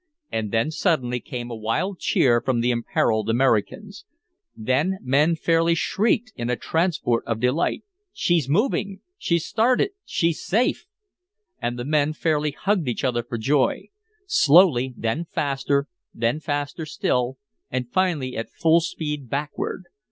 And then suddenly came a wild cheer from the imperiled Americans. Then men fairly shrieked in a transport of delight. "She's moving! She's started! She's safe!" And the men fairly hugged each other for joy. Slowly, then faster, then faster still, and finally at full speed backward.